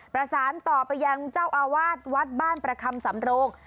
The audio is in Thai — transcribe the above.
ประสานต่อไปยังเจ้าอาวาสวัดบ้านประคำสำโรง